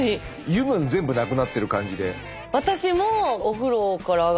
油分全部なくなってる感じで。